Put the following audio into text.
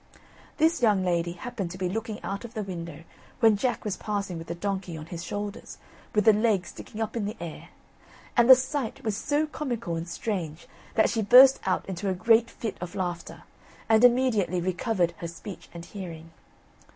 This young lady happened to be looking out of the window when Jack was passing with the donkey on his shoulders, with the legs sticking up in the air, and the sight was so comical and strange that she burst out into a great fit of laughter, and immediately recovered her speech and hearing.